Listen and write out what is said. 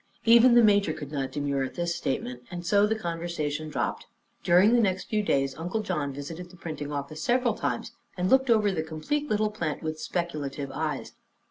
Even the major could not demur at this statement and so the conversation dropped. During the next few days Uncle John visited the printing office several times and looked over the complete little plant with speculative eyes.